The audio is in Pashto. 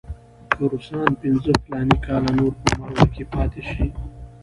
که روسان پنځه فلاني کاله نور په مرو کې پاتې شي.